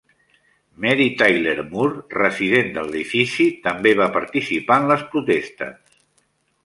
Mary Tyler Moore, resident de l'edifici, també va participar en les protestes.